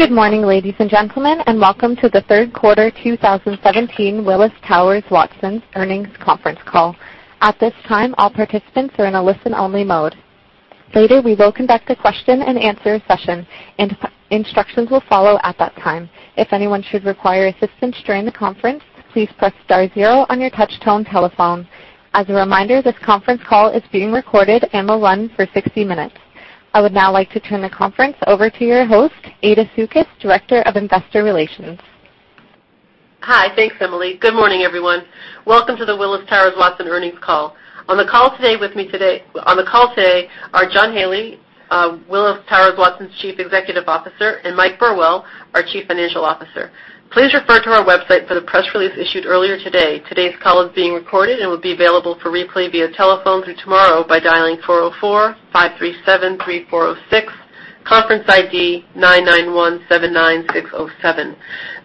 Good morning, ladies and gentlemen, welcome to the third quarter 2017 Willis Towers Watson Earnings Conference Call. At this time, all participants are in a listen-only mode. Later, we will conduct a question and answer session, instructions will follow at that time. If anyone should require assistance during the conference, please press star zero on your touch-tone telephone. As a reminder, this conference call is being recorded and will run for 60 minutes. I would now like to turn the conference over to your host, Aida Sukys, Director of Investor Relations. Hi. Thanks, Emily. Good morning, everyone. Welcome to the Willis Towers Watson earnings call. On the call today are John Haley, Willis Towers Watson's Chief Executive Officer, Mike Burwell, our Chief Financial Officer. Please refer to our website for the press release issued earlier today. Today's call is being recorded and will be available for replay via telephone through tomorrow by dialing 404-537-3406, conference ID 99179607.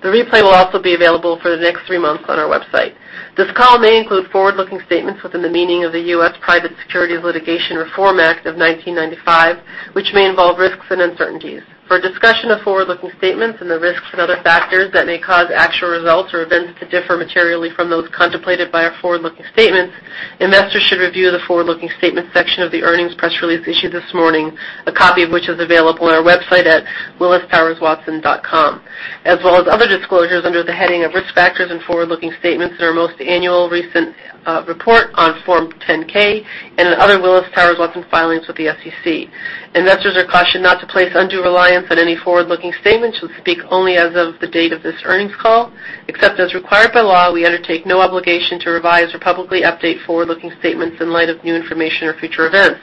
The replay will also be available for the next three months on our website. This call may include forward-looking statements within the meaning of the U.S. Private Securities Litigation Reform Act of 1995, which may involve risks and uncertainties. For a discussion of forward-looking statements and the risks and other factors that may cause actual results or events to differ materially from those contemplated by our forward-looking statements, investors should review the forward-looking statements section of the earnings press release issued this morning, a copy of which is available on our website at willistowerswatson.com, as well as other disclosures under the heading of Risk Factors and Forward-Looking Statements in our most annual recent report on Form 10-K and in other Willis Towers Watson filings with the SEC. Investors are cautioned not to place undue reliance on any forward-looking statements, which speak only as of the date of this earnings call. Except as required by law, we undertake no obligation to revise or publicly update forward-looking statements in light of new information or future events.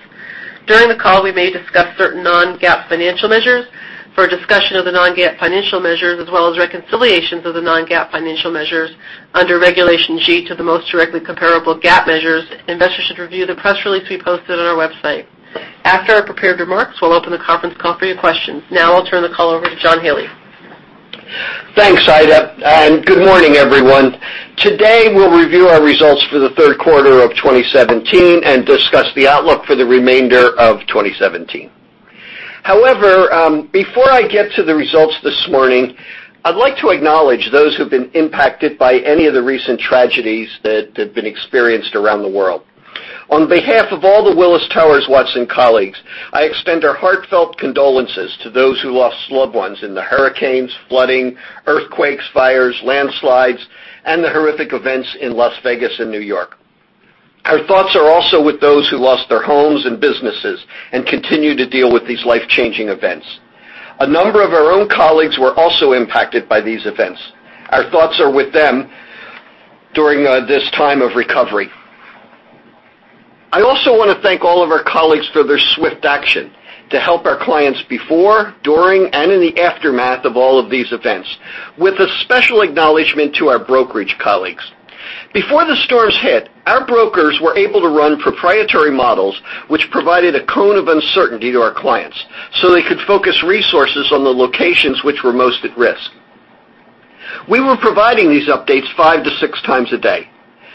During the call, we may discuss certain non-GAAP financial measures. For a discussion of the non-GAAP financial measures, as well as reconciliations of the non-GAAP financial measures under Regulation G to the most directly comparable GAAP measures, investors should review the press release we posted on our website. After our prepared remarks, we'll open the conference call for your questions. Now I'll turn the call over to John Haley. Thanks, Aida, and good morning, everyone. Today, we'll review our results for the third quarter of 2017 and discuss the outlook for the remainder of 2017. Before I get to the results this morning, I'd like to acknowledge those who've been impacted by any of the recent tragedies that have been experienced around the world. On behalf of all the Willis Towers Watson colleagues, I extend our heartfelt condolences to those who lost loved ones in the hurricanes, flooding, earthquakes, fires, landslides, and the horrific events in Las Vegas and New York. Our thoughts are also with those who lost their homes and businesses and continue to deal with these life-changing events. A number of our own colleagues were also impacted by these events. Our thoughts are with them during this time of recovery. I also want to thank all of our colleagues for their swift action to help our clients before, during, and in the aftermath of all of these events, with a special acknowledgment to our brokerage colleagues. Before the storms hit, our brokers were able to run proprietary models which provided a cone of uncertainty to our clients so they could focus resources on the locations which were most at risk. We were providing these updates five to six times a day.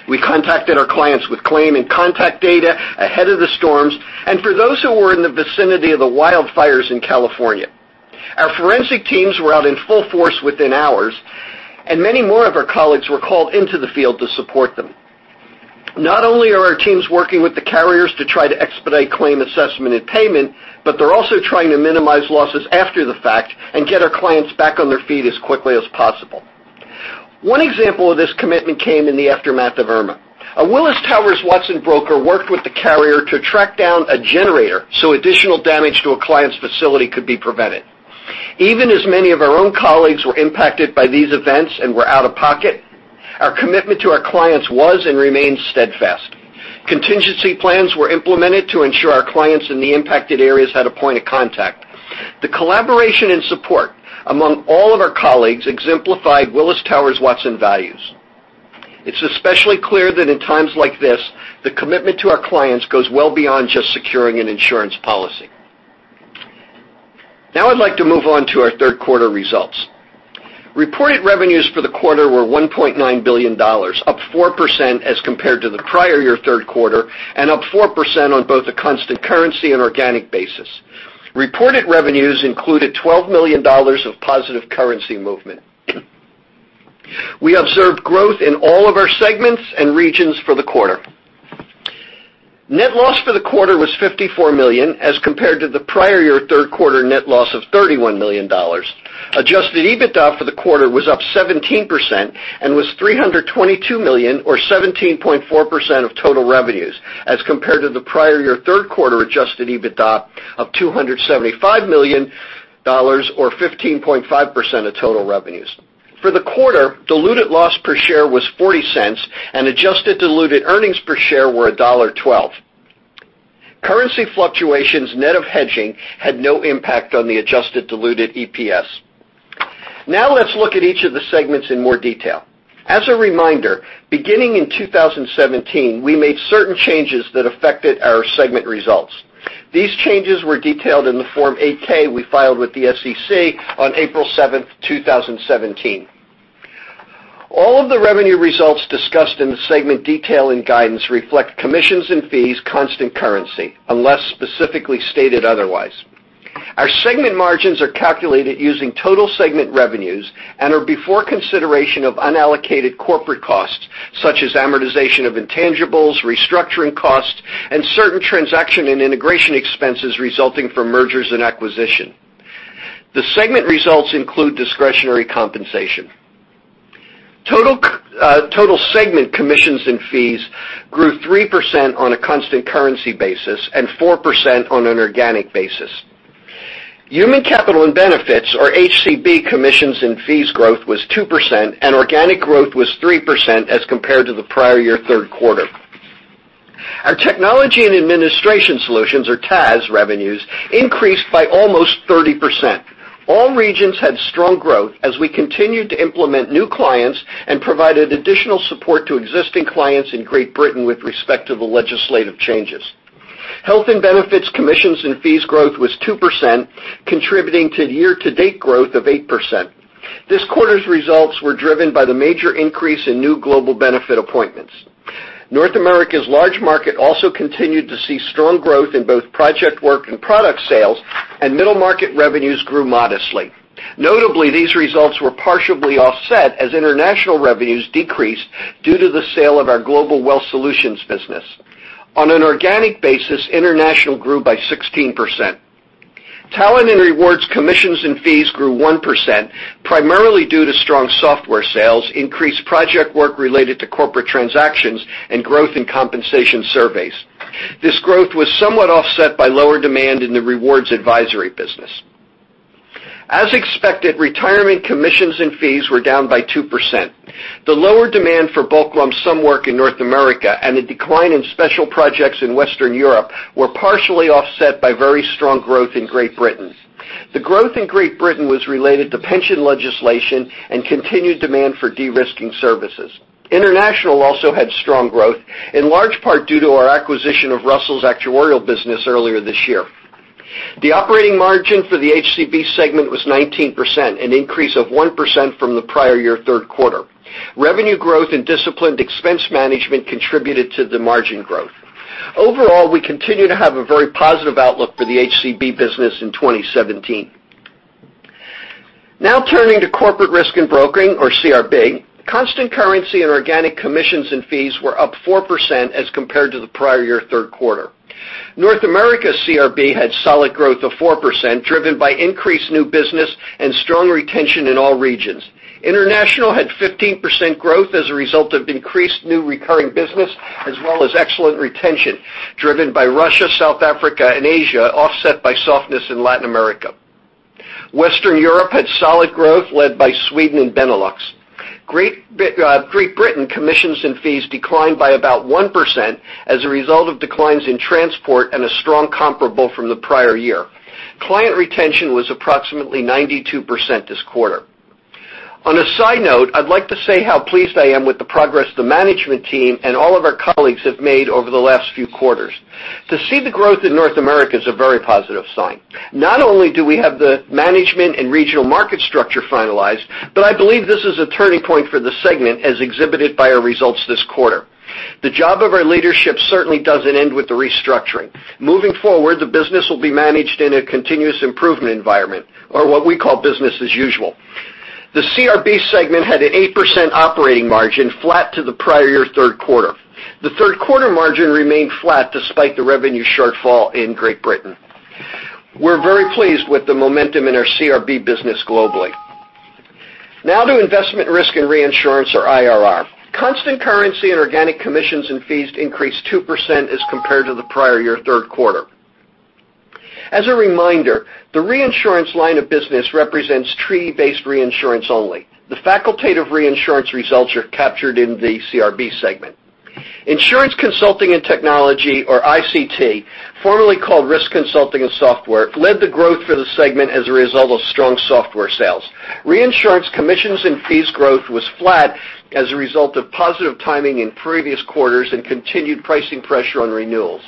We contacted our clients with claim and contact data ahead of the storms, and for those who were in the vicinity of the wildfires in California. Our forensic teams were out in full force within hours, and many more of our colleagues were called into the field to support them. Not only are our teams working with the carriers to try to expedite claim assessment and payment, but they're also trying to minimize losses after the fact and get our clients back on their feet as quickly as possible. One example of this commitment came in the aftermath of Irma. A Willis Towers Watson broker worked with the carrier to track down a generator so additional damage to a client's facility could be prevented. Even as many of our own colleagues were impacted by these events and were out of pocket, our commitment to our clients was and remains steadfast. Contingency plans were implemented to ensure our clients in the impacted areas had a point of contact. The collaboration and support among all of our colleagues exemplified Willis Towers Watson values. It's especially clear that in times like this, the commitment to our clients goes well beyond just securing an insurance policy. Now I'd like to move on to our third quarter results. Reported revenues for the quarter were $1.9 billion, up 4% as compared to the prior year third quarter and up 4% on both a constant currency and organic basis. Reported revenues included $12 million of positive currency movement. We observed growth in all of our segments and regions for the quarter. Net loss for the quarter was $54 million as compared to the prior year third quarter net loss of $31 million. Adjusted EBITDA for the quarter was up 17% and was $322 million or 17.4% of total revenues as compared to the prior year third quarter adjusted EBITDA of $275 million or 15.5% of total revenues. For the quarter, diluted loss per share was $0.40, and adjusted diluted earnings per share were $1.12. Currency fluctuations net of hedging had no impact on the adjusted diluted EPS. Let's look at each of the segments in more detail. As a reminder, beginning in 2017, we made certain changes that affected our segment results. These changes were detailed in the Form 8-K we filed with the SEC on April 7th, 2017. All of the revenue results discussed in the segment detail and guidance reflect commissions and fees constant currency, unless specifically stated otherwise. Our segment margins are calculated using total segment revenues and are before consideration of unallocated corporate costs such as amortization of intangibles, restructuring costs, and certain transaction and integration expenses resulting from mergers and acquisition. The segment results include discretionary compensation. Total segment commissions and fees grew 3% on a constant currency basis and 4% on an organic basis. Human capital and benefits or HCB commissions and fees growth was 2% and organic growth was 3% as compared to the prior year third quarter. Our Technology and Administration Solutions or TAS revenues increased by almost 30%. All regions had strong growth as we continued to implement new clients and provided additional support to existing clients in Great Britain with respect to the legislative changes. Health and benefits commissions and fees growth was 2%, contributing to year-to-date growth of 8%. This quarter's results were driven by the major increase in new global benefit appointments. North America's large market also continued to see strong growth in both project work and product sales, and middle market revenues grew modestly. Notably, these results were partially offset as international revenues decreased due to the sale of our Global Wealth Solutions business. On an organic basis, international grew by 16%. Talent and rewards commissions and fees grew 1%, primarily due to strong software sales, increased project work related to corporate transactions, and growth in compensation surveys. This growth was somewhat offset by lower demand in the rewards advisory business. As expected, retirement commissions and fees were down by 2%. The lower demand for bulk lump sum work in North America and a decline in special projects in Western Europe were partially offset by very strong growth in Great Britain. The growth in Great Britain was related to pension legislation and continued demand for de-risking services. International also had strong growth, in large part due to our acquisition of Russell Investments' actuarial business earlier this year. The operating margin for the HCB segment was 19%, an increase of 1% from the prior year third quarter. Revenue growth and disciplined expense management contributed to the margin growth. Overall, we continue to have a very positive outlook for the HCB business in 2017. Turning to Corporate Risk and Broking, or CRB. Constant currency and organic commissions and fees were up 4% as compared to the prior year third quarter. North America CRB had solid growth of 4%, driven by increased new business and strong retention in all regions. International had 15% growth as a result of increased new recurring business as well as excellent retention, driven by Russia, South Africa and Asia, offset by softness in Latin America. Western Europe had solid growth led by Sweden and Benelux. Great Britain commissions and fees declined by about 1% as a result of declines in transport and a strong comparable from the prior year. Client retention was approximately 92% this quarter. On a side note, I'd like to say how pleased I am with the progress the management team and all of our colleagues have made over the last few quarters. To see the growth in North America is a very positive sign. Not only do we have the management and regional market structure finalized, but I believe this is a turning point for the segment as exhibited by our results this quarter. The job of our leadership certainly doesn't end with the restructuring. Moving forward, the business will be managed in a continuous improvement environment or what we call business as usual. The CRB segment had an 8% operating margin flat to the prior year third quarter. The third quarter margin remained flat despite the revenue shortfall in Great Britain. We're very pleased with the momentum in our CRB business globally. Now to Investment, Risk and Reinsurance or IRR. Constant currency and organic commissions and fees increased 2% as compared to the prior year third quarter. As a reminder, the reinsurance line of business represents treaty-based reinsurance only. The facultative reinsurance results are captured in the CRB segment. Insurance Consulting and Technology or ICT, formerly called Risk Consulting and Software, led the growth for the segment as a result of strong software sales. Reinsurance commissions and fees growth was flat as a result of positive timing in previous quarters and continued pricing pressure on renewals.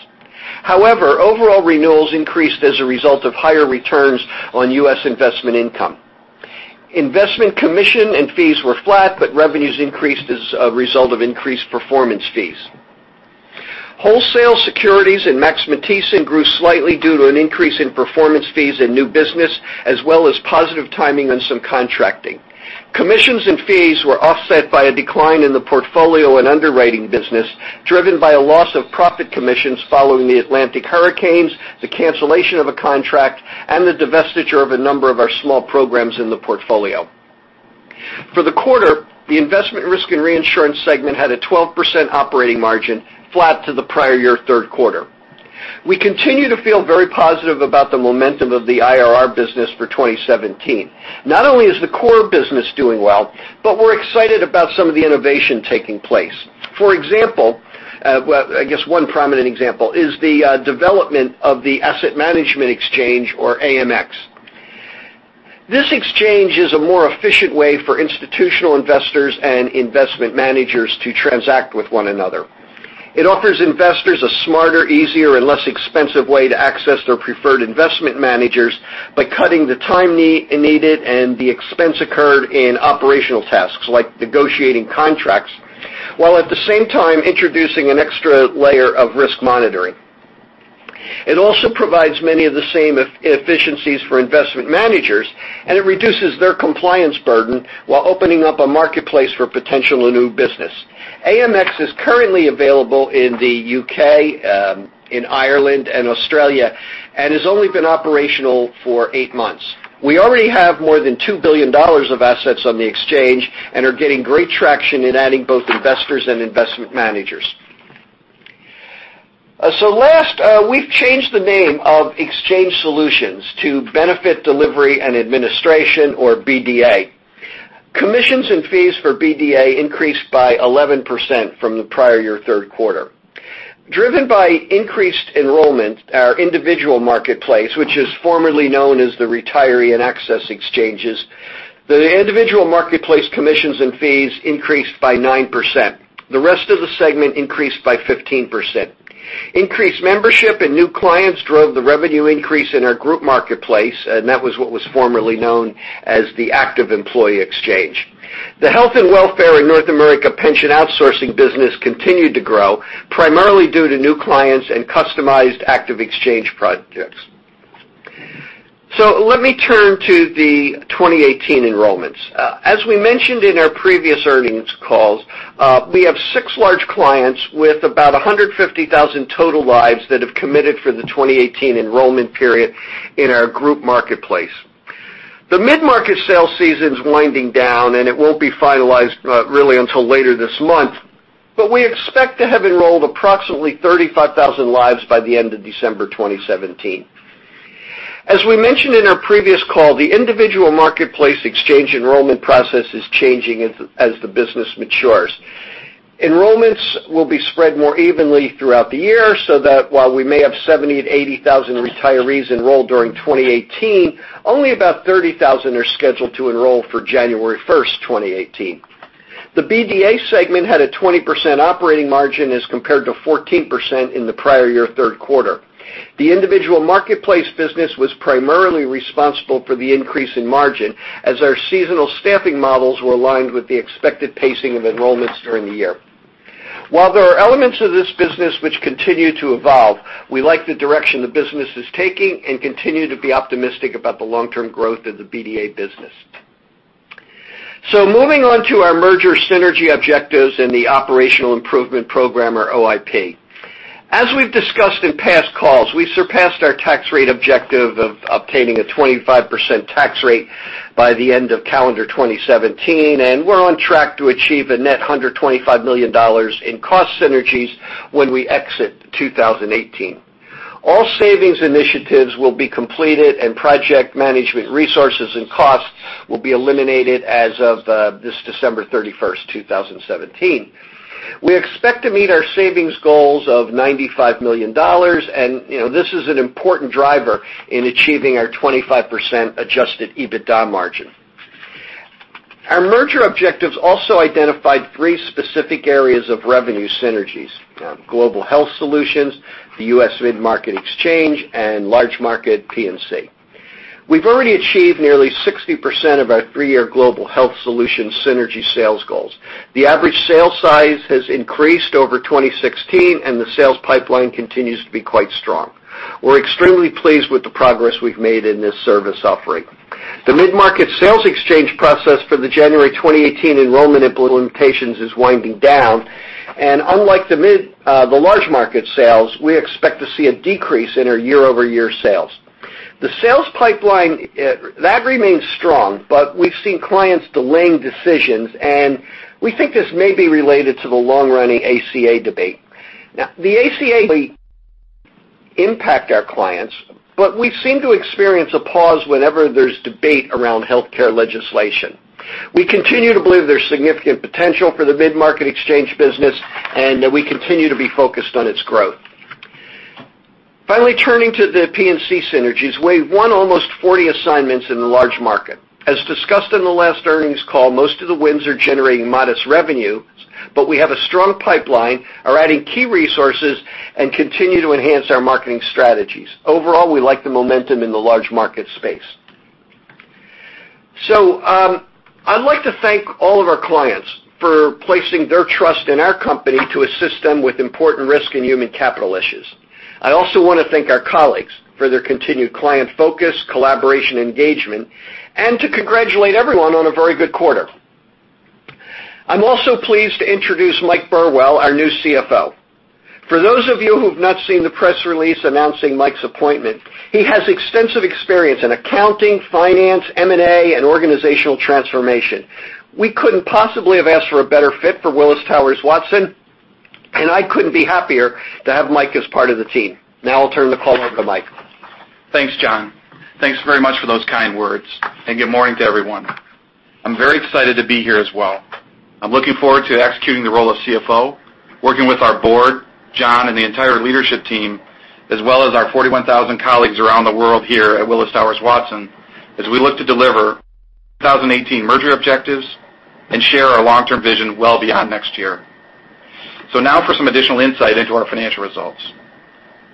However, overall renewals increased as a result of higher returns on U.S. investment income. Investment commission and fees were flat but revenues increased as a result of increased performance fees. Wholesale Securities and Max Matthiessen grew slightly due to an increase in performance fees and new business as well as positive timing on some contracting. Commissions and fees were offset by a decline in the portfolio and underwriting business driven by a loss of profit commissions following the Atlantic hurricanes, the cancellation of a contract, and the divestiture of a number of our small programs in the portfolio. For the quarter, the investment risk and reinsurance segment had a 12% operating margin flat to the prior year third quarter. We continue to feel very positive about the momentum of the IRR business for 2017. Not only is the core business doing well, but we're excited about some of the innovation taking place. For example, I guess one prominent example is the development of the Asset Management Exchange or AMX. This exchange is a more efficient way for institutional investors and investment managers to transact with one another. It offers investors a smarter, easier, and less expensive way to access their preferred investment managers by cutting the time needed and the expense occurred in operational tasks like negotiating contracts, while at the same time introducing an extra layer of risk monitoring. It also provides many of the same efficiencies for investment managers, and it reduces their compliance burden while opening up a marketplace for potential new business. AMX is currently available in the U.K., in Ireland, and Australia and has only been operational for eight months. We already have more than $2 billion of assets on the exchange and are getting great traction in adding both investors and investment managers. Last, we've changed the name of Exchange Solutions to Benefits Delivery and Administration, or BDA. Commissions and fees for BDA increased by 11% from the prior year third quarter. Driven by increased enrollment, our individual marketplace, which is formerly known as the Retiree and Access Exchanges, the individual marketplace commissions and fees increased by 9%. The rest of the segment increased by 15%. Increased membership and new clients drove the revenue increase in our group marketplace, and that was what was formerly known as the Active Employee Exchange. The health and welfare in North America pension outsourcing business continued to grow, primarily due to new clients and customized Active Employee Exchange projects. Let me turn to the 2018 enrollments. As we mentioned in our previous earnings calls, we have 6 large clients with about 150,000 total lives that have committed for the 2018 enrollment period in our group marketplace. The mid-market sale season's winding down. It won't be finalized really until later this month, we expect to have enrolled approximately 35,000 lives by the end of December 2017. As we mentioned in our previous call, the individual marketplace exchange enrollment process is changing as the business matures. Enrollments will be spread more evenly throughout the year so that while we may have 70,000 to 80,000 retirees enrolled during 2018, only about 30,000 are scheduled to enroll for January 1st, 2018. The BDA segment had a 20% operating margin as compared to 14% in the prior year third quarter. The individual marketplace business was primarily responsible for the increase in margin as our seasonal staffing models were aligned with the expected pacing of enrollments during the year. While there are elements of this business which continue to evolve, we like the direction the business is taking and continue to be optimistic about the long-term growth of the BDA business. Moving on to our merger synergy objectives and the operational improvement program, or OIP. As we've discussed in past calls, we've surpassed our tax rate objective of obtaining a 25% tax rate by the end of calendar 2017. We're on track to achieve a net $125 million in cost synergies when we exit 2018. All savings initiatives will be completed. Project management resources and costs will be eliminated as of this December 31st, 2017. We expect to meet our savings goals of $95 million. This is an important driver in achieving our 25% adjusted EBITDA margin. Our merger objectives also identified 3 specific areas of revenue synergies: Global Health Solutions, the U.S. Mid-Market Exchange, and Large Market P&C. We've already achieved nearly 60% of our three-year Global Health Solution synergy sales goals. The average sale size has increased over 2016. The sales pipeline continues to be quite strong. We're extremely pleased with the progress we've made in this service offering. The mid-market sales exchange process for the January 2018 enrollment implementations is winding down. Unlike the large market sales, we expect to see a decrease in our year-over-year sales. The sales pipeline remains strong. We've seen clients delaying decisions. We think this may be related to the long-running ACA debate. The ACA impact our clients. We seem to experience a pause whenever there's debate around healthcare legislation. We continue to believe there's significant potential for the mid-market exchange business, and we continue to be focused on its growth. Finally, turning to the P&C synergies. We won almost 40 assignments in the large market. As discussed in the last earnings call, most of the wins are generating modest revenues, but we have a strong pipeline, are adding key resources, and continue to enhance our marketing strategies. Overall, we like the momentum in the large market space. I'd like to thank all of our clients for placing their trust in our company to assist them with important risk and human capital issues. I also want to thank our colleagues for their continued client focus, collaboration, engagement, and to congratulate everyone on a very good quarter. I'm also pleased to introduce Mike Burwell, our new CFO. For those of you who have not seen the press release announcing Mike's appointment, he has extensive experience in accounting, finance, M&A, and organizational transformation. We couldn't possibly have asked for a better fit for Willis Towers Watson, and I couldn't be happier to have Mike as part of the team. I'll turn the call over to Mike. Thanks, John. Thanks very much for those kind words, and good morning to everyone. I'm very excited to be here as well. I'm looking forward to executing the role of CFO, working with our board, John, and the entire leadership team, as well as our 41,000 colleagues around the world here at Willis Towers Watson as we look to deliver 2018 merger objectives and share our long-term vision well beyond next year. Now for some additional insight into our financial results.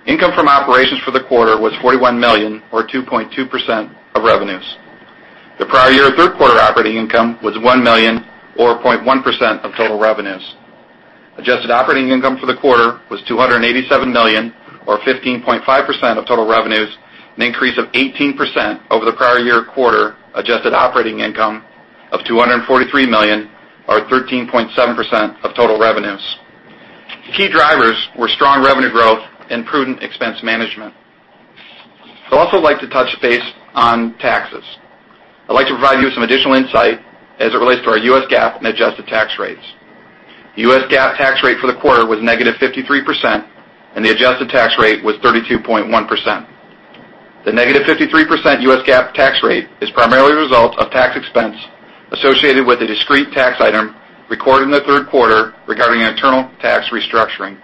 Income from operations for the quarter was $41 million, or 2.2% of revenues. The prior year third quarter operating income was $1 million, or 0.1% of total revenues. Adjusted operating income for the quarter was $287 million, or 15.5% of total revenues, an increase of 18% over the prior year quarter adjusted operating income of $243 million, or 13.7% of total revenues. Key drivers were strong revenue growth and prudent expense management. I'd also like to touch base on taxes. I'd like to provide you some additional insight as it relates to our U.S. GAAP and adjusted tax rates. U.S. GAAP tax rate for the quarter was negative 53%, and the adjusted tax rate was 32.1%. The negative 53% U.S. GAAP tax rate is primarily the result of tax expense associated with a discrete tax item recorded in the third quarter regarding internal tax restructuring.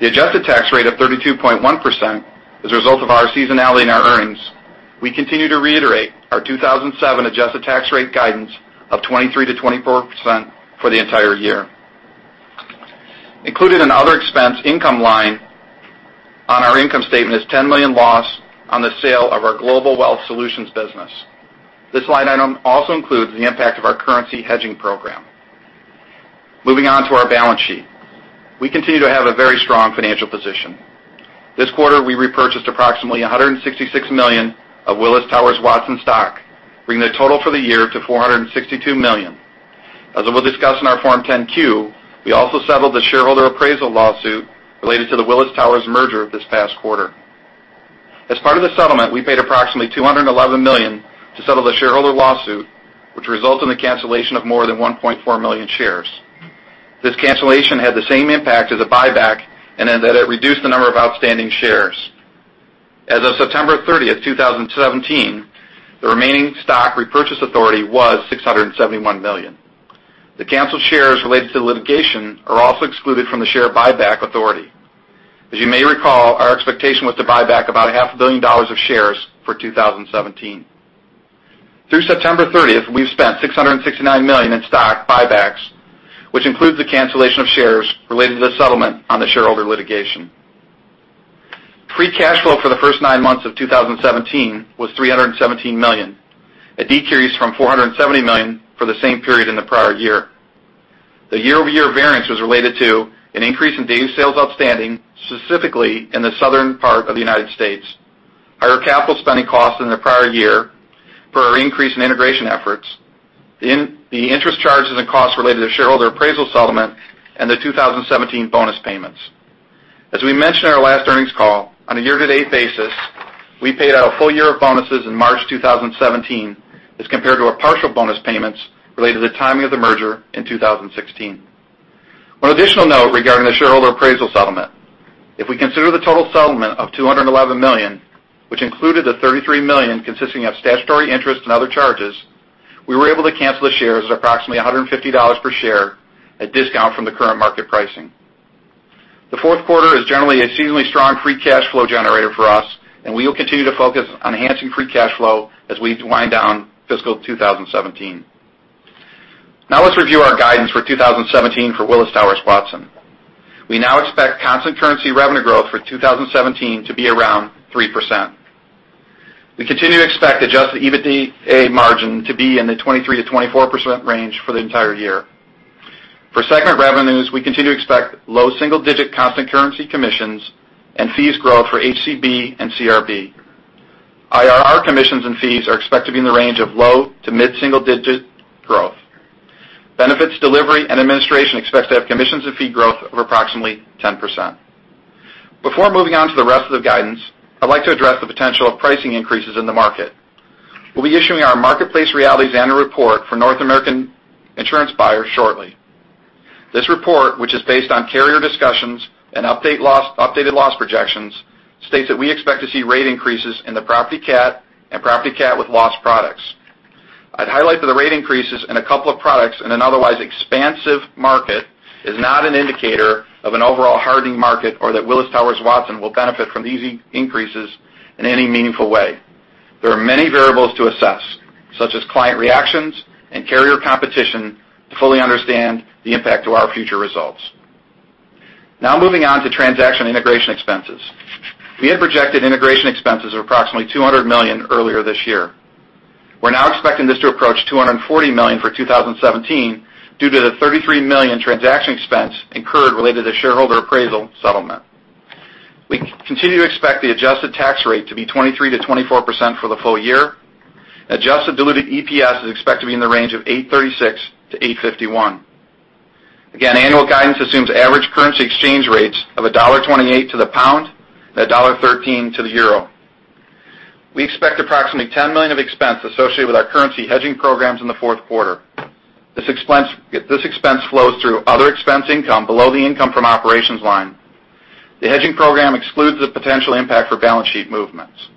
The adjusted tax rate of 32.1% is a result of our seasonality in our earnings. We continue to reiterate our 2017 adjusted tax rate guidance of 23%-24% for the entire year. Included in other expense income line on our income statement is $10 million loss on the sale of our Global Wealth Solutions business. This line item also includes the impact of our currency hedging program. Moving on to our balance sheet. We continue to have a very strong financial position. This quarter, we repurchased approximately $166 million of Willis Towers Watson stock, bringing the total for the year to $462 million. As we'll discuss in our Form 10-Q, we also settled the shareholder appraisal lawsuit related to the Willis Towers merger this past quarter. As part of the settlement, we paid approximately $211 million to settle the shareholder lawsuit, which results in the cancellation of more than 1.4 million shares. This cancellation had the same impact as a buyback in that it reduced the number of outstanding shares. As of September 30th, 2017, the remaining stock repurchase authority was $671 million. The canceled shares related to the litigation are also excluded from the share buyback authority. As you may recall, our expectation was to buy back about a half a billion dollars of shares for 2017. Through September 30th, we've spent $669 million in stock buybacks, which includes the cancellation of shares related to the settlement on the shareholder litigation. Free cash flow for the first nine months of 2017 was $317 million, a decrease from $470 million for the same period in the prior year. The year-over-year variance was related to an increase in daily sales outstanding, specifically in the southern part of the U.S., higher capital spending costs than the prior year for our increase in integration efforts, the interest charges and costs related to shareholder appraisal settlement, and the 2017 bonus payments. As we mentioned in our last earnings call, on a year-to-date basis, we paid out a full year of bonuses in March 2017 as compared to our partial bonus payments related to the timing of the merger in 2016. One additional note regarding the shareholder appraisal settlement. If we consider the total settlement of $211 million, which included the $33 million consisting of statutory interest and other charges, we were able to cancel the shares at approximately $150 per share, a discount from the current market pricing. The fourth quarter is generally a seasonally strong free cash flow generator for us, and we will continue to focus on enhancing free cash flow as we wind down fiscal 2017. Now let's review our guidance for 2017 for Willis Towers Watson. We now expect constant currency revenue growth for 2017 to be around 3%. We continue to expect adjusted EBITDA margin to be in the 23%-24% range for the entire year. For segment revenues, we continue to expect low single-digit constant currency commissions and fees growth for HCB and CRB. IRR commissions and fees are expected to be in the range of low to mid single digit growth. Benefits Delivery and Administration expect to have commissions and fee growth of approximately 10%. Before moving on to the rest of the guidance, I'd like to address the potential of pricing increases in the market. We'll be issuing our Marketplace Realities annual report for North American insurance buyers shortly. This report, which is based on carrier discussions and updated loss projections, states that we expect to see rate increases in the property cat and property cat with loss products. I'd highlight that the rate increases in a couple of products in an otherwise expansive market is not an indicator of an overall hardening market or that Willis Towers Watson will benefit from these increases in any meaningful way. There are many variables to assess, such as client reactions and carrier competition, to fully understand the impact to our future results. Moving on to transaction integration expenses. We had projected integration expenses of approximately $200 million earlier this year. We're now expecting this to approach $240 million for 2017 due to the $33 million transaction expense incurred related to shareholder appraisal settlement. We continue to expect the adjusted tax rate to be 23%-24% for the full year. Adjusted diluted EPS is expected to be in the range of $8.36-$8.51. Annual guidance assumes average currency exchange rates of $1.28 to the GBP and $1.13 to the EUR. We expect approximately $10 million of expense associated with our currency hedging programs in the fourth quarter. This expense flows through other expense income below the income from operations line. The hedging program excludes the potential impact for balance sheet movements.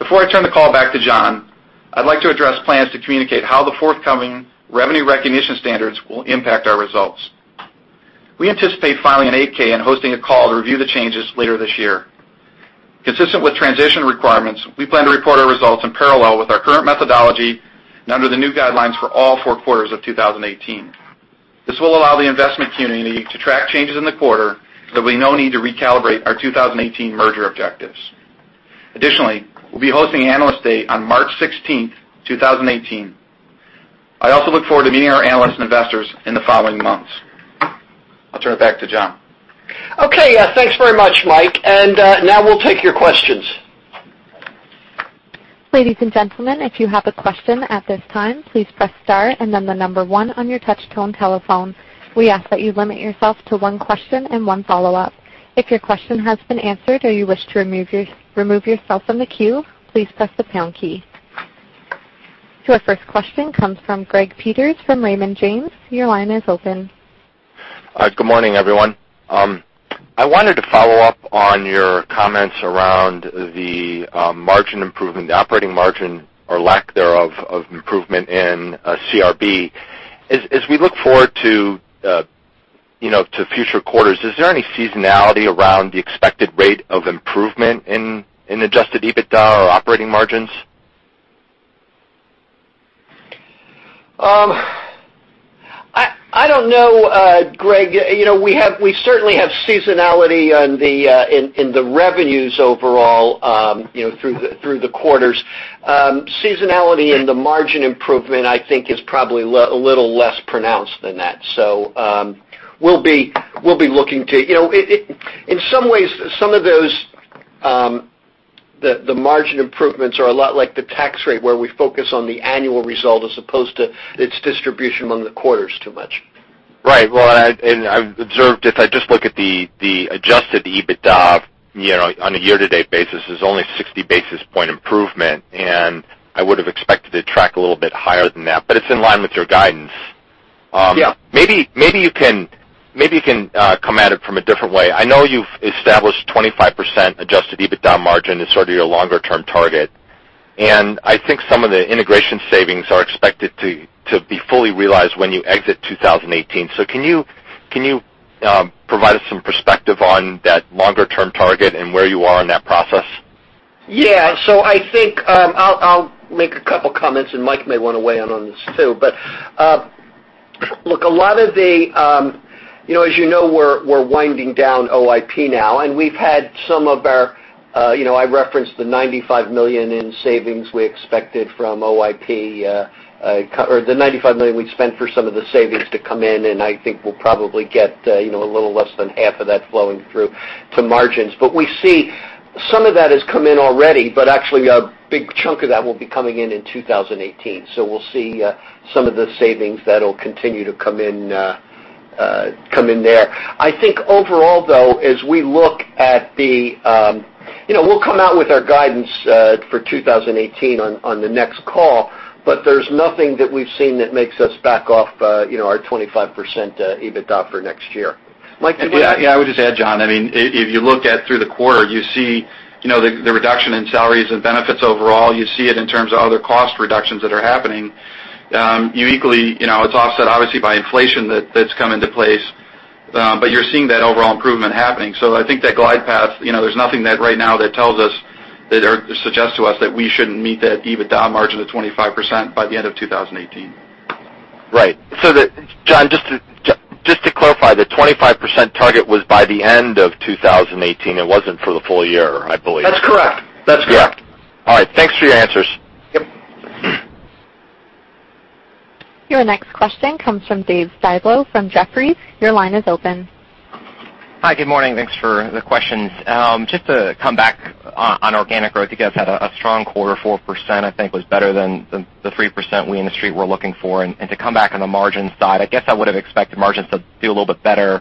Before I turn the call back to John, I'd like to address plans to communicate how the forthcoming revenue recognition standards will impact our results. We anticipate filing an 8-K and hosting a call to review the changes later this year. Consistent with transition requirements, we plan to report our results in parallel with our current methodology and under the new guidelines for all four quarters of 2018. This will allow the investment community to track changes in the quarter, there'll be no need to recalibrate our 2018 merger objectives. We'll be hosting Analyst Day on March 16th, 2018. I also look forward to meeting our analysts and investors in the following months. I'll turn it back to John. Okay. Thanks very much, Mike. Now we'll take your questions. Ladies and gentlemen, if you have a question at this time, please press star and then the number one on your touch tone telephone. We ask that you limit yourself to one question and one follow-up. If your question has been answered or you wish to remove yourself from the queue, please press the pound key. Our first question comes from Gregory Peters from Raymond James. Your line is open. Good morning, everyone. I wanted to follow up on your comments around the margin improvement, the operating margin or lack thereof of improvement in CRB. As we look forward to future quarters, is there any seasonality around the expected rate of improvement in adjusted EBITDA or operating margins? I don't know, Greg. We certainly have seasonality in the revenues overall through the quarters. Seasonality in the margin improvement, I think, is probably a little less pronounced than that. In some ways, some of those, the margin improvements are a lot like the tax rate, where we focus on the annual result as opposed to its distribution among the quarters too much. Right. I've observed if I just look at the adjusted EBITDA on a year-to-date basis, there's only 60 basis point improvement, and I would've expected to track a little bit higher than that, but it's in line with your guidance. Yeah. Maybe you can come at it from a different way. I know you've established 25% adjusted EBITDA margin as sort of your longer-term target, I think some of the integration savings are expected to be fully realized when you exit 2018. Can you provide us some perspective on that longer-term target and where you are in that process? Yeah. I think I'll make a couple of comments, and Mike may want to weigh in on this, too. Look, as you know, we're winding down OIP now, and we've had some of our-- I referenced the $95 million in savings we expected from OIP, or the $95 million we'd spent for some of the savings to come in, and I think we'll probably get a little less than half of that flowing through to margins. We see some of that has come in already, but actually a big chunk of that will be coming in in 2018. We'll see some of the savings that'll continue to come in there. I think overall, though, as we look, we'll come out with our guidance for 2018 on the next call, there's nothing that we've seen that makes us back off our 25% EBITDA for next year. Mike, do you want to- Yeah, I would just add, John, if you look at through the quarter, you see the reduction in salaries and benefits overall. You see it in terms of other cost reductions that are happening. Uniquely, it's offset obviously by inflation that's come into place, but you're seeing that overall improvement happening. I think that glide path, there's nothing right now that tells us or suggests to us that we shouldn't meet that EBITDA margin of 25% by the end of 2018. John, just to clarify, the 25% target was by the end of 2018. It wasn't for the full year, I believe. That's correct. Thanks for your answers. Yep. Your next question comes from David Zigman from Jefferies. Your line is open. Hi. Good morning. Thanks for the questions. Just to come back on organic growth, you guys had a strong quarter, 4%, I think was better than the 3% we in the Street were looking for. To come back on the margin side, I guess I would've expected margins to do a little bit better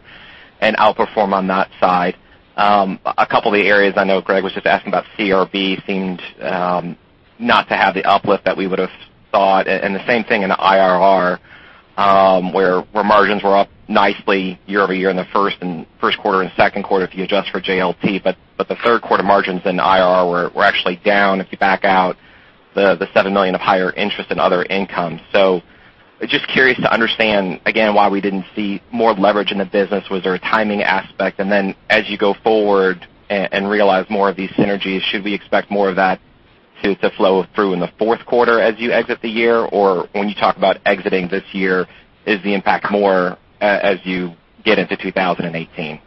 and outperform on that side. A couple of the areas I know Greg was just asking about CRB seemed not to have the uplift that we would've thought, and the same thing in IRR where margins were up nicely year-over-year in the first quarter and second quarter if you adjust for JLT. The third quarter margins in IRR were actually down if you back out the $7 million of higher interest in other income. Just curious to understand again why we didn't see more leverage in the business. Was there a timing aspect? As you go forward and realize more of these synergies, should we expect more of that to flow through in the fourth quarter as you exit the year? When you talk about exiting this year, is the impact more as you get into 2018?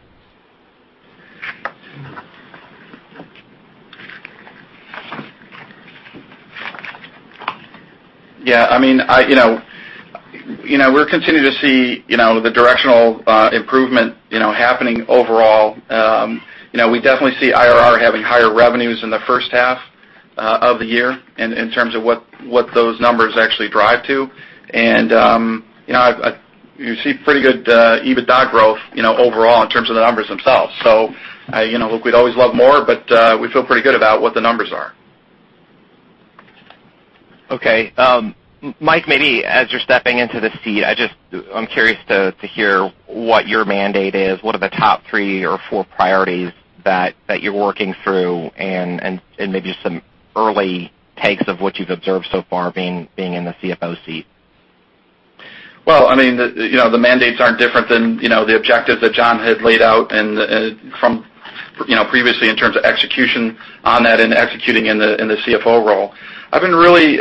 We're continuing to see the directional improvement happening overall. We definitely see IRR having higher revenues in the first half of the year in terms of what those numbers actually drive to. You see pretty good EBITDA growth overall in terms of the numbers themselves. We'd always love more, but we feel pretty good about what the numbers are. Okay. Mike, maybe as you're stepping into the seat, I'm curious to hear what your mandate is. What are the top three or four priorities that you're working through, and maybe just some early takes of what you've observed so far being in the CFO seat? Well, the mandates aren't different than the objectives that John had laid out previously in terms of execution on that and executing in the CFO role. I've been really,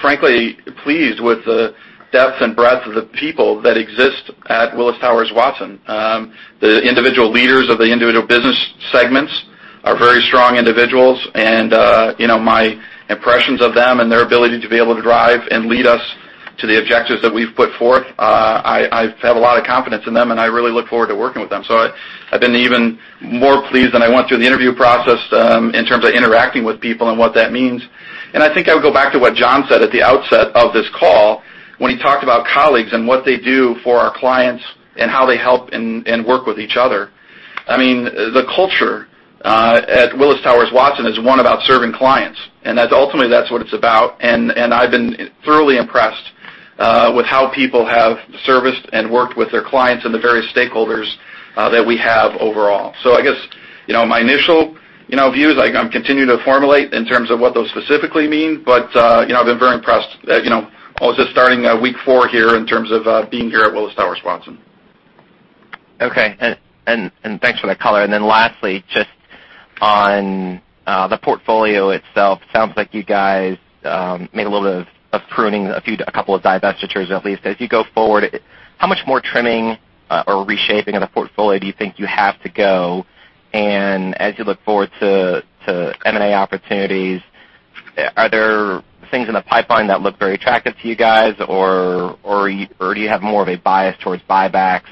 frankly, pleased with the depth and breadth of the people that exist at Willis Towers Watson. The individual leaders of the individual business segments are very strong individuals, and my impressions of them and their ability to be able to drive and lead us to the objectives that we've put forth, I've had a lot of confidence in them, and I really look forward to working with them. I've been even more pleased than I went through the interview process in terms of interacting with people and what that means. I think I would go back to what John said at the outset of this call, when he talked about colleagues and what they do for our clients and how they help and work with each other. The culture at Willis Towers Watson is one about serving clients. Ultimately, that's what it's about. I've been thoroughly impressed with how people have serviced and worked with their clients and the various stakeholders that we have overall. I guess, my initial views, I'm continuing to formulate in terms of what those specifically mean. I've been very impressed. I was just starting week four here in terms of being here at Willis Towers Watson. Okay. Thanks for that color. Lastly, just on the portfolio itself, sounds like you guys made a little bit of pruning, a couple of divestitures, at least. As you go forward, how much more trimming or reshaping of the portfolio do you think you have to go? As you look forward to M&A opportunities, are there things in the pipeline that look very attractive to you guys? Do you have more of a bias towards buybacks,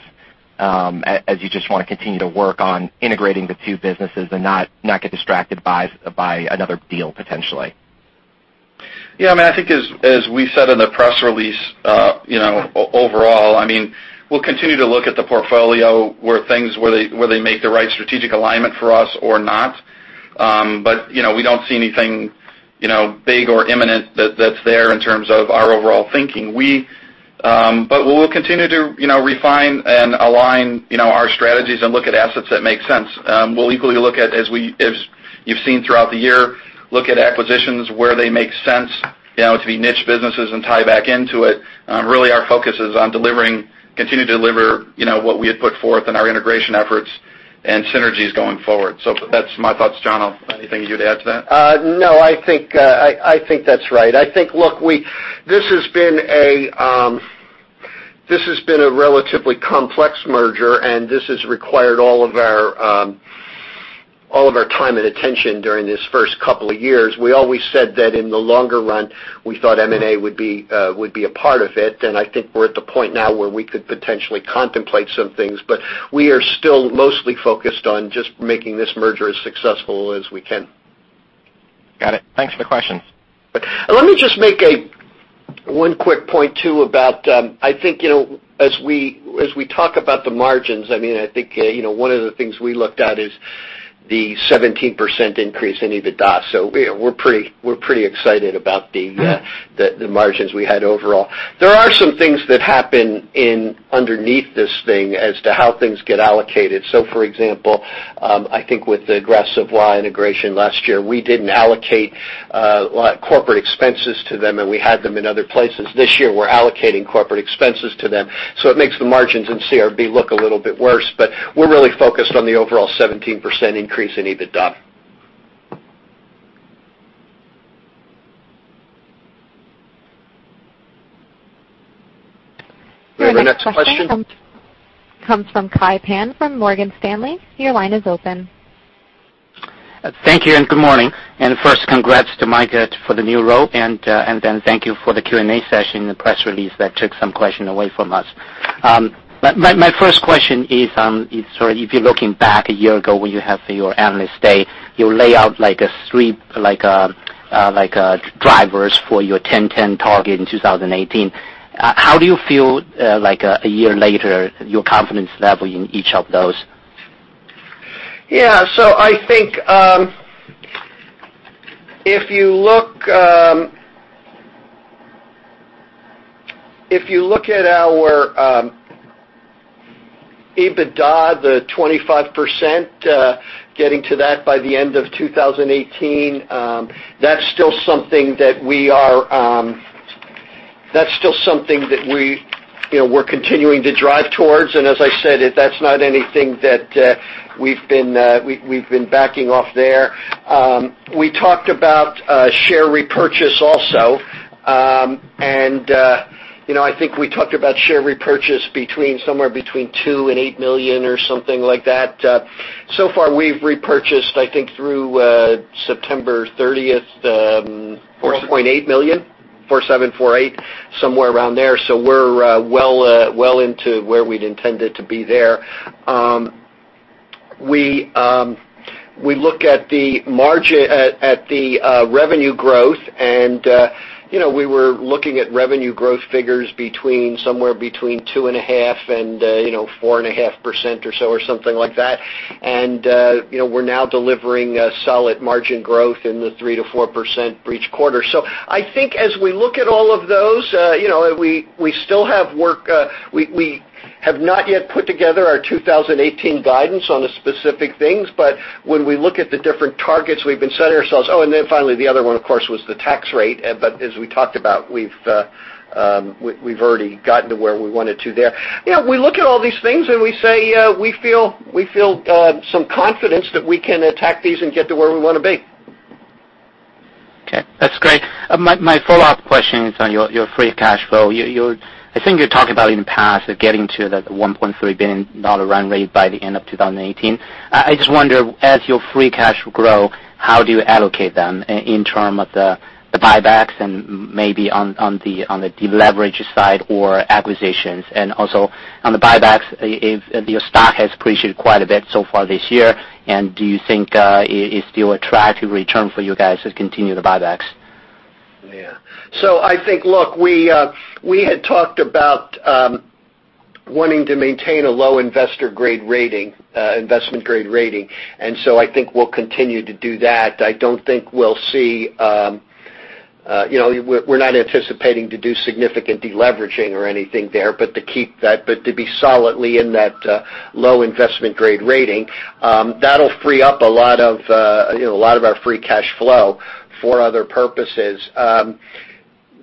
as you just want to continue to work on integrating the two businesses and not get distracted by another deal potentially? Yeah, I think as we said in the press release, overall, we'll continue to look at the portfolio where things, whether they make the right strategic alignment for us or not. We don't see anything big or imminent that's there in terms of our overall thinking. We'll continue to refine and align our strategies and look at assets that make sense. We'll equally look at, as you've seen throughout the year, look at acquisitions where they make sense to be niche businesses and tie back into it. Really, our focus is on continuing to deliver what we had put forth in our integration efforts and synergies going forward. That's my thoughts. John, anything you'd add to that? No, I think that's right. I think, look, this has been a relatively complex merger, and this has required all of our time and attention during these first couple of years. We always said that in the longer run, we thought M&A would be a part of it. I think we're at the point now where we could potentially contemplate some things, but we are still mostly focused on just making this merger as successful as we can. Got it. Thanks for the question. Let me just make one quick point, too, about, I think as we talk about the margins, I think one of the things we looked at is the 17% increase in EBITDA. We're pretty excited about the margins we had overall. There are some things that happen underneath this thing as to how things get allocated. For example, I think with the aggressive JLT integration last year, we didn't allocate corporate expenses to them, and we had them in other places. This year, we're allocating corporate expenses to them. It makes the margins in CRB look a little bit worse, but we're really focused on the overall 17% increase in EBITDA. We have our next question. Your next question comes from Kai Pan from Morgan Stanley. Your line is open. Thank you and good morning. First, congrats to Mike for the new role, and then thank you for the Q&A session in the press release that took some questions away from us. My first question is, if you're looking back a year ago when you had your Analyst Day, you lay out three drivers for your 10/10 target in 2018. How do you feel, a year later, your confidence level in each of those? Yeah. I think, if you look at our EBITDA, the 25%, getting to that by the end of 2018, that's still something that we're continuing to drive towards. As I said, that's not anything that we've been backing off there. We talked about share repurchase also. I think we talked about share repurchase somewhere between two and eight million or something like that. So far, we've repurchased, I think through September 30th- $4.8 million $4.8 million. $4.7, $4.8, somewhere around there. We're well into where we'd intended to be there. We look at the revenue growth, we were looking at revenue growth figures somewhere between 2.5%-4.5% or so or something like that. We're now delivering a solid margin growth in the 3%-4% for each quarter. I think as we look at all of those, we still have work. We have not yet put together our 2018 guidance on the specific things, but when we look at the different targets we've been setting ourselves. Finally, the other one, of course, was the tax rate. As we talked about, we've already gotten to where we wanted to there. We look at all these things, we say, we feel some confidence that we can attack these and get to where we want to be. Okay. That's great. My follow-up question is on your free cash flow. I think you're talking about in the past of getting to that $1.3 billion run rate by the end of 2018. I just wonder, as your free cash flow grow, how do you allocate them in terms of the buybacks and maybe on the deleverage side or acquisitions? Also on the buybacks, if your stock has appreciated quite a bit so far this year, do you think it's still attractive return for you guys to continue the buybacks? Yeah. I think, look, we had talked about wanting to maintain a low investment grade rating, I think we'll continue to do that. We're not anticipating to do significant deleveraging or anything there, to be solidly in that low investment grade rating, that'll free up a lot of our free cash flow for other purposes. As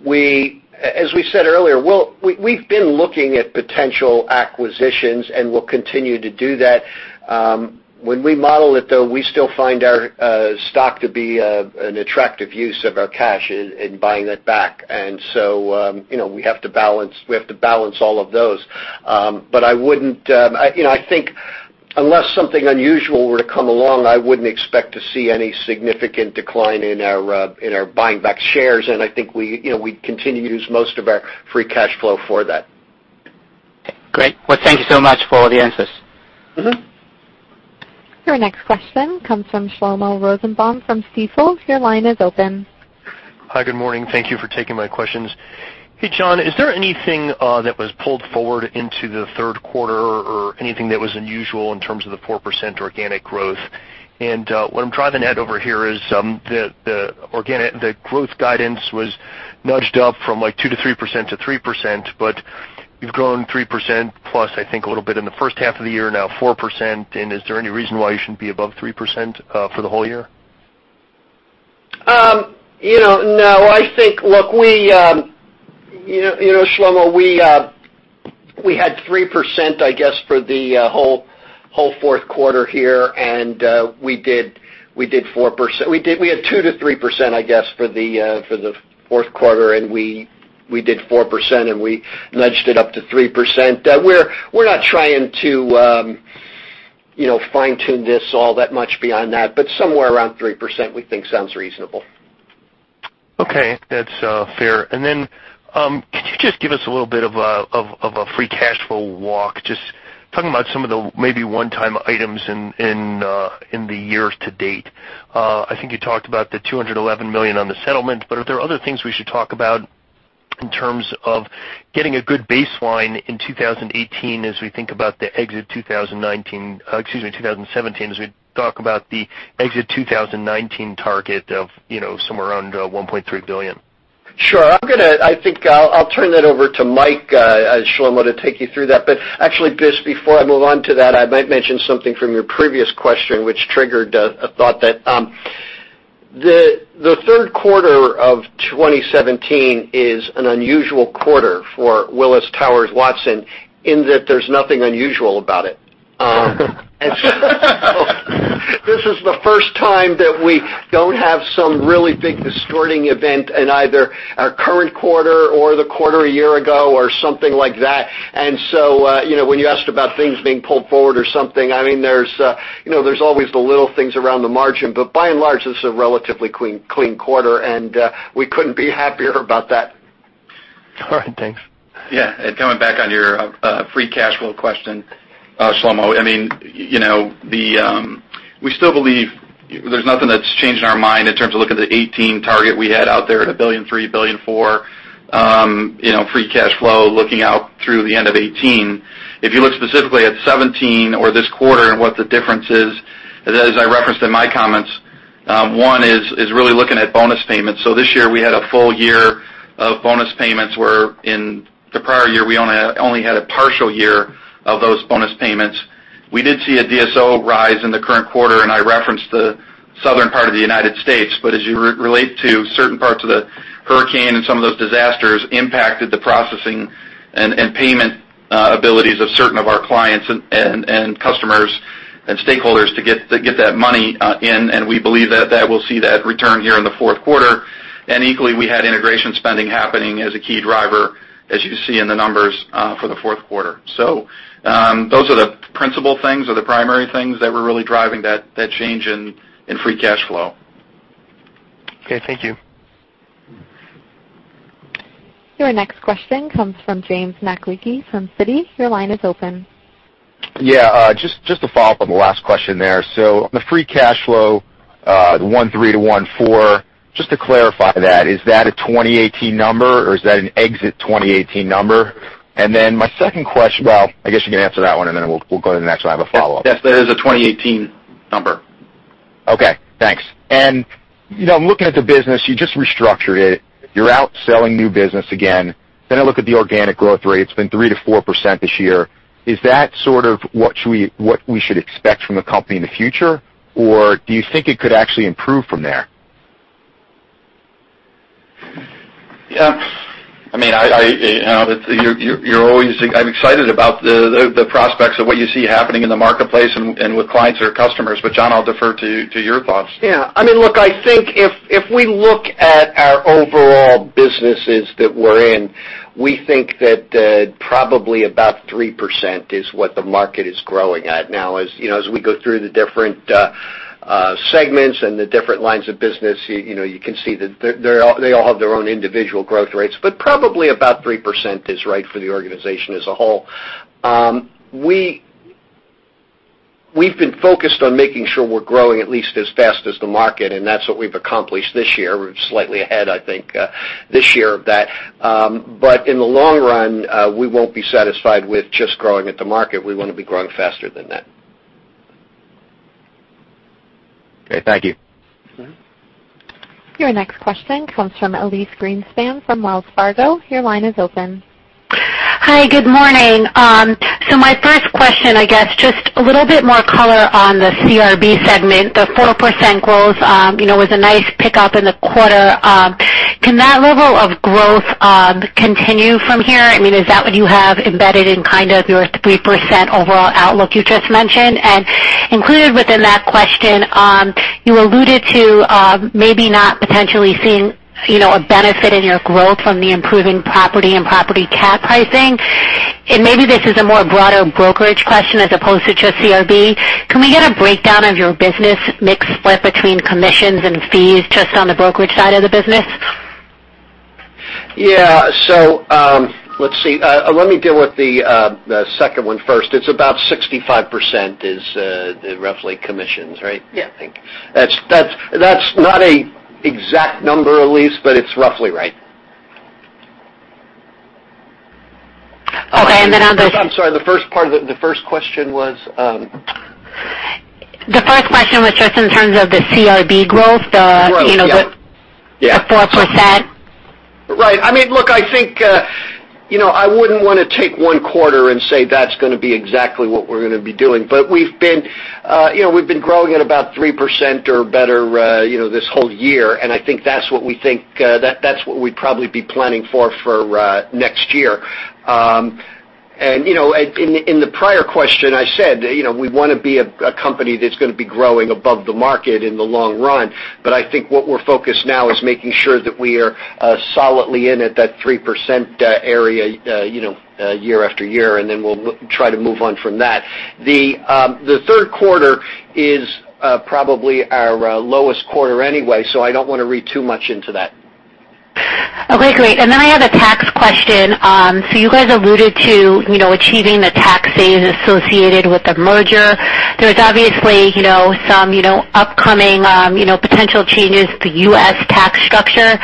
we said earlier, we've been looking at potential acquisitions, we'll continue to do that. When we model it, though, we still find our stock to be an attractive use of our cash in buying that back. We have to balance all of those. I think unless something unusual were to come along, I wouldn't expect to see any significant decline in our buying back shares, I think we'd continue to use most of our free cash flow for that. Okay, great. Well, thank you so much for all the answers. Your next question comes from Shlomo Rosenbaum from Stifel. Your line is open. Hi, good morning. Thank you for taking my questions. Hey, John, is there anything that was pulled forward into the third quarter or anything that was unusual in terms of the 4% organic growth? What I'm driving at over here is the growth guidance was nudged up from 2% to 3% to 3%, but you've grown 3% plus, I think a little bit in the first half of the year, now 4%, is there any reason why you shouldn't be above 3% for the whole year? No. I think, look, Shlomo, we had 3%, I guess, for the whole fourth quarter here. We had 2%-3%, I guess, for the fourth quarter, and we did 4%, and we nudged it up to 3%. We're not trying to fine tune this all that much beyond that, but somewhere around 3%, we think sounds reasonable. Okay. That's fair. Could you just give us a little bit of a free cash flow walk, just talking about some of the maybe one-time items in the year to date? I think you talked about the $211 million on the settlement, are there other things we should talk about in terms of getting a good baseline in 2018 as we think about the exit 2017, as we talk about the exit 2019 target of somewhere around $1.3 billion? Sure. I think I'll turn that over to Mike, Shlomo, to take you through that. Actually, just before I move on to that, I might mention something from your previous question, which triggered a thought that the third quarter of 2017 is an unusual quarter for Willis Towers Watson, in that there's nothing unusual about it. This is the first time that we don't have some really big distorting event in either our current quarter or the quarter a year ago or something like that. When you asked about things being pulled forward or something, there's always the little things around the margin. By and large, this is a relatively clean quarter, and we couldn't be happier about that. All right. Thanks. Yeah. Coming back on your free cash flow question, Shlomo, we still believe there's nothing that's changed in our mind in terms of looking at the 2018 target we had out there at $1.3 billion, $1.4 billion, free cash flow looking out through the end of 2018. If you look specifically at 2017 or this quarter and what the difference is, as I referenced in my comments, one is really looking at bonus payments. This year, we had a full year of bonus payments, where in the prior year, we only had a partial year of those bonus payments. We did see a DSO rise in the current quarter. I referenced the southern part of the U.S., but as you relate to certain parts of the hurricane and some of those disasters impacted the processing and payment abilities of certain of our clients and customers and stakeholders to get that money in. We believe that we'll see that return here in the fourth quarter. Equally, we had integration spending happening as a key driver, as you see in the numbers for the fourth quarter. Those are the principal things or the primary things that were really driving that change in free cash flow. Okay, thank you. Your next question comes from James Mitchell from Citi. Your line is open. Yeah. Just to follow up on the last question there. On the free cash flow, the $1.3-$1.4, just to clarify that, is that a 2018 number, or is that an exit 2018 number? My second question. Well, I guess you can answer that one, then we'll go to the next one. I have a follow-up. Yes, that is a 2018 number. Okay, thanks. Looking at the business, you just restructured it. You're out selling new business again. I look at the organic growth rate. It's been 3%-4% this year. Is that sort of what we should expect from the company in the future? Do you think it could actually improve from there? Yeah. I'm excited about the prospects of what you see happening in the marketplace and with clients or customers. John, I'll defer to your thoughts. Yeah. Look, I think if we look at our overall businesses that we're in, we think that probably about 3% is what the market is growing at now. As we go through the different segments and the different lines of business, you can see that they all have their own individual growth rates. Probably about 3% is right for the organization as a whole. We've been focused on making sure we're growing at least as fast as the market, and that's what we've accomplished this year. We're slightly ahead, I think, this year of that. In the long run, we won't be satisfied with just growing at the market. We want to be growing faster than that. Okay, thank you. Sure. Your next question comes from Elyse Greenspan from Wells Fargo. Your line is open. Hi, good morning. My first question, I guess, just a little bit more color on the CRB segment, the 4% growth, was a nice pickup in the quarter. Can that level of growth continue from here? Is that what you have embedded in kind of your 3% overall outlook you just mentioned? Included within that question, you alluded to maybe not potentially seeing a benefit in your growth from the improving property and property cat pricing. Maybe this is a more broader brokerage question as opposed to just CRB. Can we get a breakdown of your business mix split between commissions and fees just on the brokerage side of the business? Yeah. Let's see. Let me deal with the second one first. It's about 65% is roughly commissions, right? Yeah. That's not an exact number, Elyse, but it's roughly right. Okay. I'm sorry, the first question was? The first question was just in terms of the CRB growth. Growth, yeah. The 4%. Right. Look, I think I wouldn't want to take one quarter and say that's going to be exactly what we're going to be doing. We've been growing at about 3% or better this whole year, and I think that's what we'd probably be planning for next year. In the prior question, I said, we want to be a company that's going to be growing above the market in the long run. I think what we're focused now is making sure that we are solidly in at that 3% area year after year, and then we'll try to move on from that. The third quarter is probably our lowest quarter anyway, so I don't want to read too much into that. Okay, great. Then I have a tax question. You guys alluded to achieving the tax savings associated with the merger. There's obviously some upcoming potential changes to U.S. tax structure.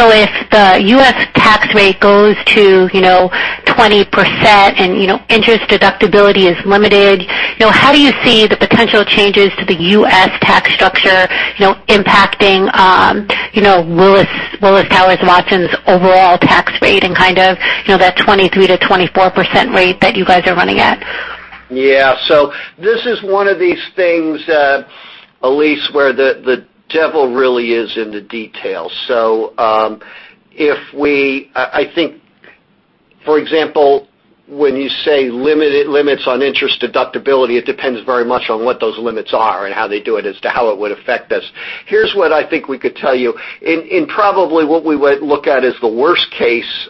If the U.S. tax rate goes to 20% and interest deductibility is limited, how do you see the potential changes to the U.S. tax structure impacting Willis Towers Watson's overall tax rate and kind of that 23%-24% rate that you guys are running at? Yeah. This is one of these things, Elyse, where the devil really is in the details. I think, for example, when you say limits on interest deductibility, it depends very much on what those limits are and how they do it as to how it would affect us. Here's what I think we could tell you. In probably what we would look at as the worst case,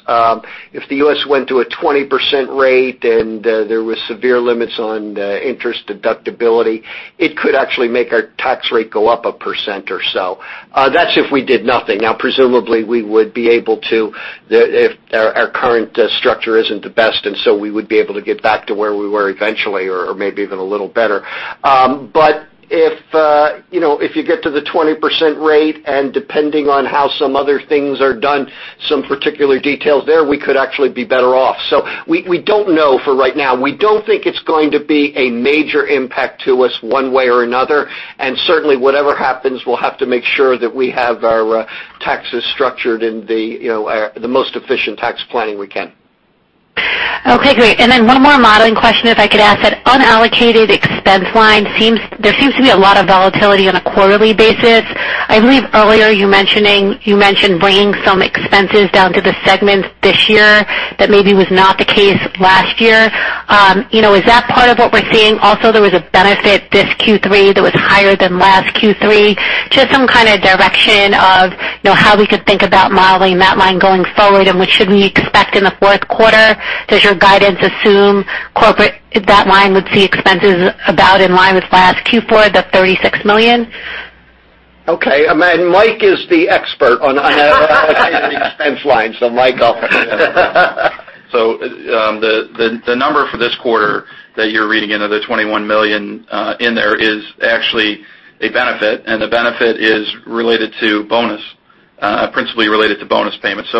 if the U.S. went to a 20% rate and there was severe limits on interest deductibility, it could actually make our tax rate go up a percent or so. That's if we did nothing. Presumably our current structure isn't the best, we would be able to get back to where we were eventually, or maybe even a little better. If you get to the 20% rate and depending on how some other things are done, some particular details there, we could actually be better off. We don't know for right now. We don't think it's going to be a major impact to us one way or another. Certainly, whatever happens, we'll have to make sure that we have our taxes structured in the most efficient tax planning we can. Okay, great. One more modeling question, if I could ask. That unallocated expense line, there seems to be a lot of volatility on a quarterly basis. I believe earlier you mentioned bringing some expenses down to the segments this year that maybe was not the case last year. Is that part of what we're seeing? Also, there was a benefit this Q3 that was higher than last Q3. Just some kind of direction of how we could think about modeling that line going forward, and what should we expect in the fourth quarter? Does your guidance assume corporate, that line would see expenses about in line with last Q4, the $36 million? Okay. Mike is the expert on the expense line, Mike, I'll. The number for this quarter that you're reading in, of the $21 million in there, is actually a benefit, and the benefit is related to bonus. Principally related to bonus payments.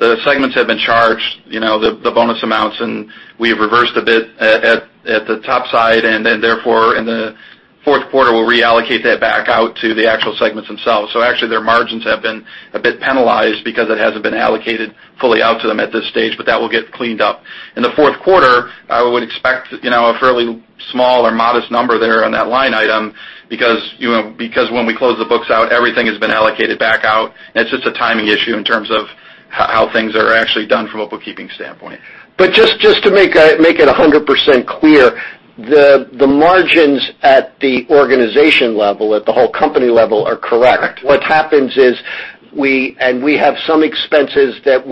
The segments have been charged the bonus amounts, and we have reversed a bit at the top side. Therefore, in the fourth quarter we'll reallocate that back out to the actual segments themselves. Actually their margins have been a bit penalized because it hasn't been allocated fully out to them at this stage, but that will get cleaned up. In the fourth quarter, I would expect a fairly small or modest number there on that line item because when we close the books out, everything has been allocated back out. It's just a timing issue in terms of how things are actually done from a bookkeeping standpoint. Just to make it 100% clear, the margins at the organization level, at the whole company level are correct. Correct. What happens is, we have some expenses that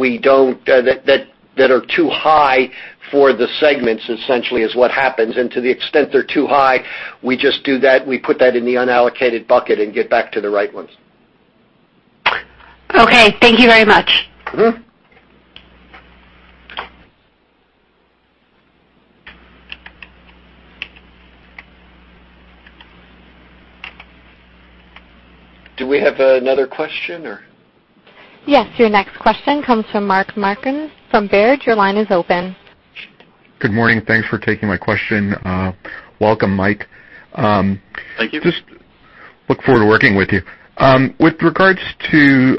are too high for the segments essentially is what happens. To the extent they're too high, we just do that. We put that in the unallocated bucket and get back to the right ones. Okay. Thank you very much. Do we have another question, or? Yes. Your next question comes from Mark Marcon from Baird. Your line is open. Good morning. Thanks for taking my question. Welcome, Mike. Thank you. Just look forward to working with you. With regards to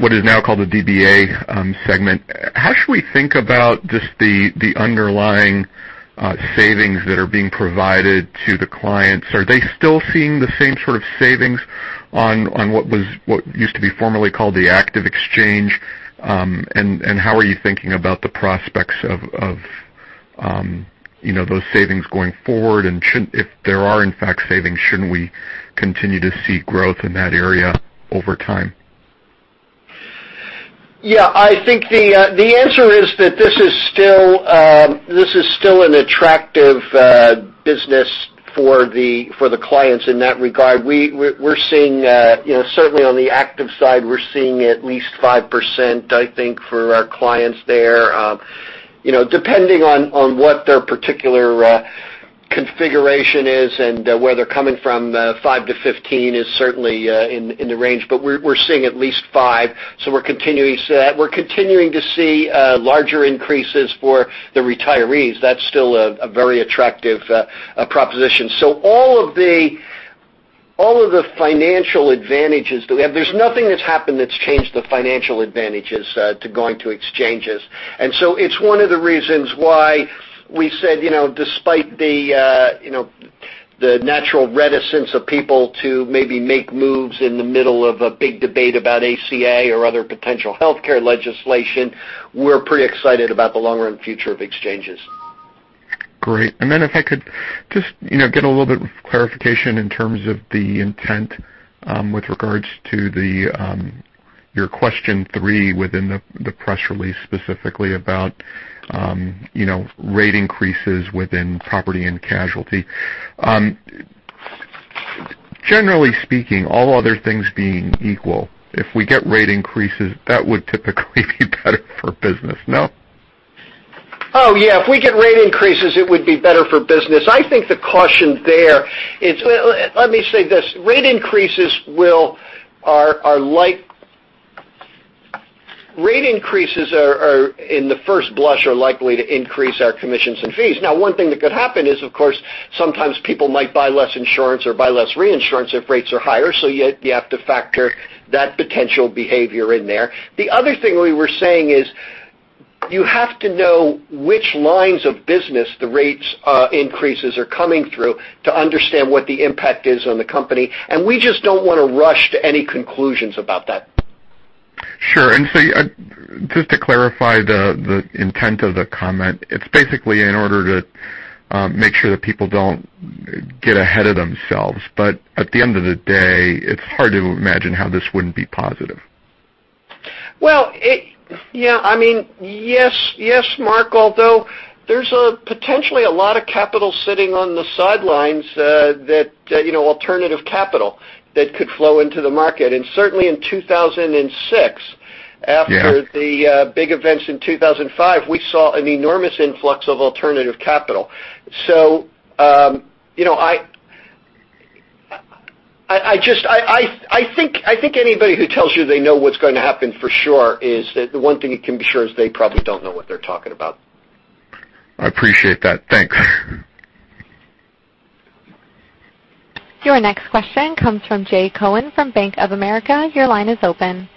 what is now called the BDA segment, how should we think about just the underlying savings that are being provided to the clients? Are they still seeing the same sort of savings on what used to be formerly called the Active Exchange? How are you thinking about the prospects of those savings going forward? If there are in fact savings, shouldn't we continue to see growth in that area over time? Yeah, I think the answer is that this is still an attractive business for the clients in that regard. Certainly on the active side, we're seeing at least 5%, I think, for our clients there. Depending on what their particular configuration is and where they're coming from, five to 15 is certainly in the range, but we're seeing at least five, so we're continuing to see larger increases for the retirees. That's still a very attractive proposition. All of the financial advantages that we have, there's nothing that's happened that's changed the financial advantages to going to exchanges. It's one of the reasons why we said, despite the natural reticence of people to maybe make moves in the middle of a big debate about ACA or other potential healthcare legislation, we're pretty excited about the long-run future of exchanges. Great. If I could just get a little bit of clarification in terms of the intent with regards to your question three within the press release, specifically about rate increases within property and casualty. Generally speaking, all other things being equal, if we get rate increases, that would typically be better for business, no? Oh, yeah. If we get rate increases, it would be better for business. I think the caution there is Let me say this. Rate increases are, in the first blush, are likely to increase our commissions and fees. One thing that could happen is, of course, sometimes people might buy less insurance or buy less reinsurance if rates are higher, so you have to factor that potential behavior in there. The other thing we were saying is you have to know which lines of business the rates increases are coming through to understand what the impact is on the company, we just don't want to rush to any conclusions about that. Sure. Just to clarify the intent of the comment, it's basically in order to make sure that people don't get ahead of themselves, but at the end of the day, it's hard to imagine how this wouldn't be positive. Well, yes, Mark, although there's potentially a lot of capital sitting on the sidelines, alternative capital, that could flow into the market, and certainly in 2006. Yeah After the big events in 2005, we saw an enormous influx of alternative capital. I think anybody who tells you they know what's going to happen for sure, the one thing you can be sure is they probably don't know what they're talking about. I appreciate that. Thanks. Your next question comes from Jay Cohen from Bank of America. Your line is open.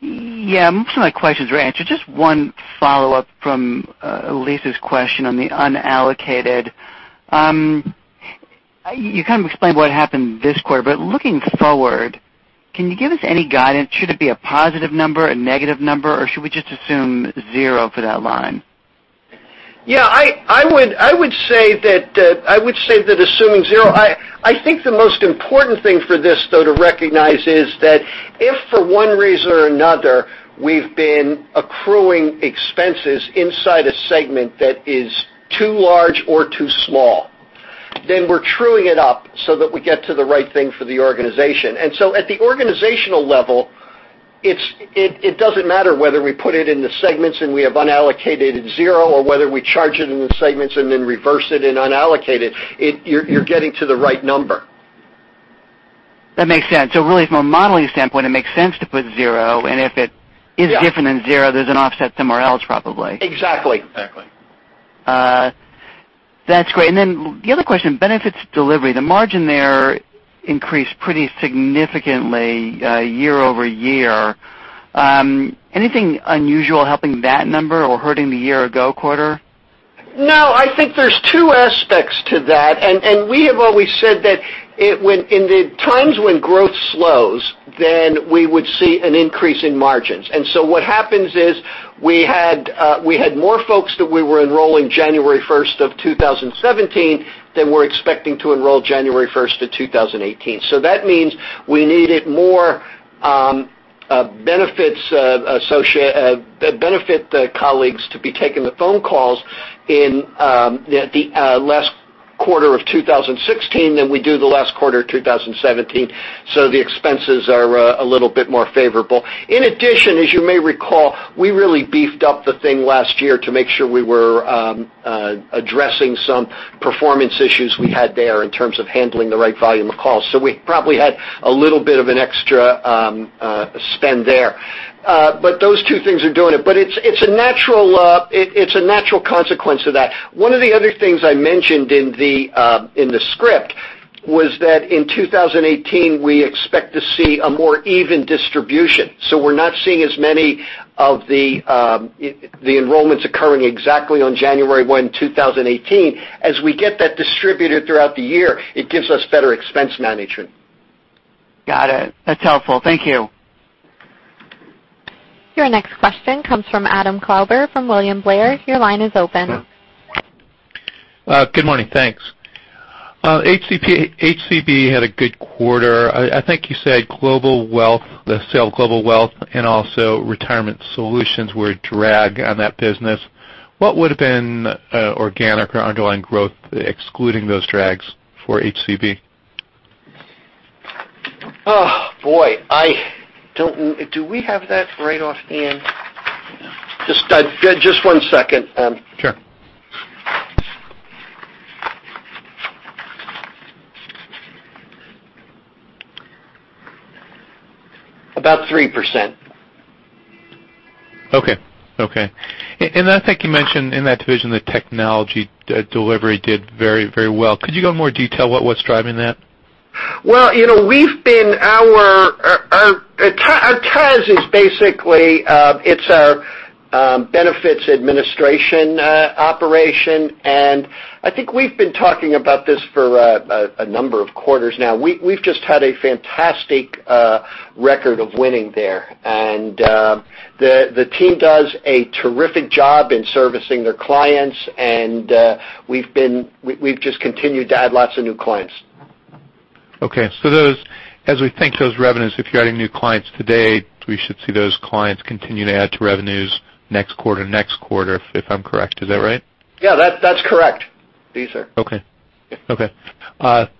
Yeah. Most of my questions were answered. Just one follow-up from Elyse's question on the unallocated. You kind of explained what happened this quarter, but looking forward, can you give us any guidance? Should it be a positive number, a negative number, or should we just assume zero for that line? Yeah, I would say that assuming zero. I think the most important thing for this, though, to recognize is that if for one reason or another we've been accruing expenses inside a segment that is too large or too small, then we're trueing it up so that we get to the right thing for the organization. At the organizational level. It doesn't matter whether we put it in the segments and we have unallocated zero, or whether we charge it in the segments and then reverse it and unallocate it. You're getting to the right number. Really, from a modeling standpoint, it makes sense to put zero. Yeah is different than zero, there's an offset somewhere else, probably. Exactly. Exactly. That's great. The other question, Benefits Delivery. The margin there increased pretty significantly year-over-year. Anything unusual helping that number or hurting the year ago quarter? No, I think there's two aspects to that. We have always said that in the times when growth slows, we would see an increase in margins. What happens is, we had more folks that we were enrolling January 1 of 2017 than we're expecting to enroll January 1 of 2018. That means we needed more benefit colleagues to be taking the phone calls in the last quarter of 2016 than we do the last quarter of 2017. The expenses are a little bit more favorable. In addition, as you may recall, we really beefed up the thing last year to make sure we were addressing some performance issues we had there in terms of handling the right volume of calls. We probably had a little bit of an extra spend there. Those two things are doing it. It's a natural consequence of that. One of the other things I mentioned in the script was that in 2018, we expect to see a more even distribution. We're not seeing as many of the enrollments occurring exactly on January 1, 2018. As we get that distributed throughout the year, it gives us better expense management. Got it. That's helpful. Thank you. Your next question comes from Adam Klauber from William Blair. Your line is open. Good morning. Thanks. HCB had a good quarter. I think you said the sale of Global Wealth and also Retirement Solutions were a drag on that business. What would've been organic or underlying growth excluding those drags for HCB? Oh, boy. Do we have that right offhand? Just one second. Sure. About 3%. Okay. I think you mentioned in that division, the technology delivery did very well. Could you go in more detail about what's driving that? Well, our TAS is basically our benefits administration operation, and I think we've been talking about this for a number of quarters now. We've just had a fantastic record of winning there. The team does a terrific job in servicing their clients, and we've just continued to add lots of new clients. Okay. As we think those revenues, if you're adding new clients today, we should see those clients continue to add to revenues next quarter, and next quarter, if I'm correct. Is that right? Yeah, that's correct, these are. Okay.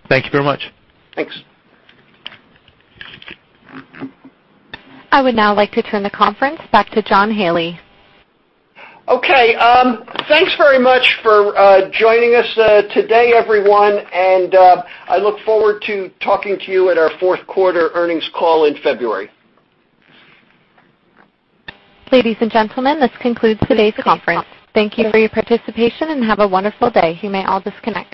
Thank you very much. Thanks. I would now like to turn the conference back to John Haley. Okay. Thanks very much for joining us today, everyone. I look forward to talking to you at our fourth quarter earnings call in February. Ladies and gentlemen, this concludes today's conference. Thank you for your participation, and have a wonderful day. You may all disconnect.